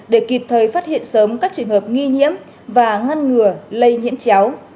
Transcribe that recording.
để kịp thời phát hiện sớm các trường hợp nghi nhiễm và ngăn ngừa lây nhiễm chéo